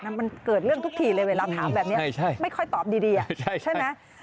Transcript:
มันเกิดเรื่องทุกทีเลยเวลาถามแบบนี้ไม่ค่อยตอบดีใช่ไหม